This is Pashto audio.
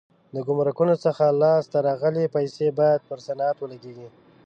د ګمرکونو څخه لاس ته راغلي پیسې باید پر صنعت ولګېږي.